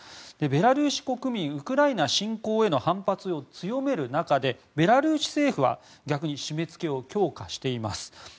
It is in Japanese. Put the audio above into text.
ベラルーシ国民ウクライナ侵攻への反発を強める中でベラルーシ政府は逆に締めつけを強化しています。